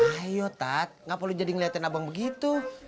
ayo tat kenapa lo jadi ngeliatin abang begitu